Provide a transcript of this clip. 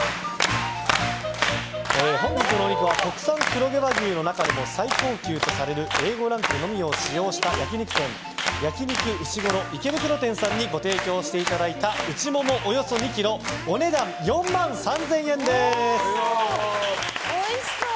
本日のお肉は国産黒毛和牛の中でも最高級とされるＡ５ランクのみを使用した焼き肉店焼肉うしごろ池袋店さんにご提供していただいた内もも、およそ２ｋｇお値段４万３０００円です。